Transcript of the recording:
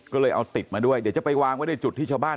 ก็เลยเอาติดมาด้วยเดี๋ยวจะไปวางไว้ในจุดที่ชาวบ้าน